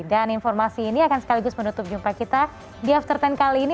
dan informasi ini akan sekaligus menutup jumpa kita di after sepuluh kali ini